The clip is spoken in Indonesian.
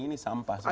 ini sampah semua